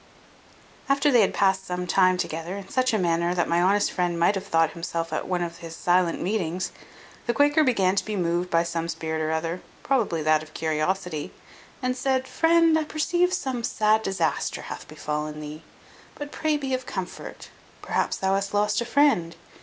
After they had past some time together, in such a manner that my honest friend might have thought himself at one of his silent meetings, the Quaker began to be moved by some spirit or other, probably that of curiosity, and said, "Friend, I perceive some sad disaster hath befallen thee; but pray be of comfort. Perhaps thou hast lost a friend.